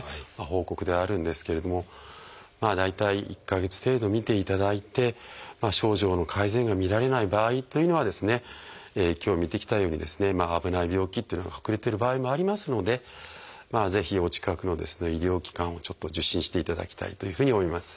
報告ではあるんですけれども大体１か月程度見ていただいて症状の改善が見られない場合というのは今日見てきたようにですね危ない病気というのが隠れてる場合もありますのでぜひお近くの医療機関をちょっと受診していただきたいというふうに思います。